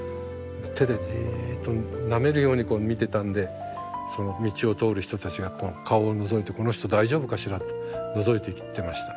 手でじっとなめるように見てたんで道を通る人たちが顔をのぞいて「この人大丈夫かしら」とのぞいていってました。